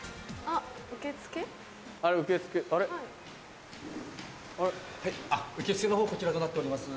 あっ受付のほうこちらとなっております。